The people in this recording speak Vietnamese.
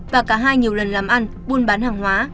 và cả hai nhiều lần làm ăn buôn bán hàng hóa